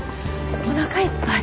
おなかいっぱい。